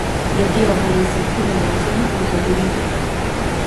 له دې امله یې ساتنه لازمه او ضروري ده.